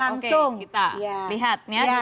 nama caleg oke kita lihat ya